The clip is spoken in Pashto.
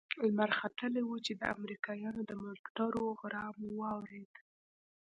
لمر ختلى و چې د امريکايانو د موټرو غرهار مو واورېد.